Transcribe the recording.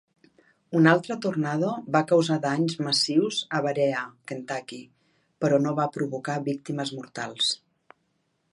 Un altre tornado va causar danys massius a Berea, Kentucky, però no va provocar víctimes mortals.